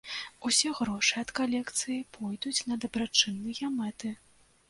Усе грошы ад калекцыі пойдуць на дабрачынныя мэты.